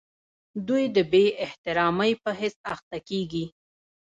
دوی د بې احترامۍ په حس اخته کیږي.